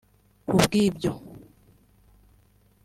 Kubw’ibyo